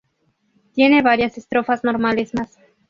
Tiene varias estrofas normales más.